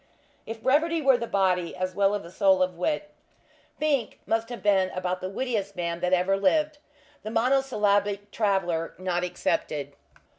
If brevity were the body, as well as the soul of wit, Fink must have been about the wittiest man that ever lived, the Monosyllabic Traveller not excepted.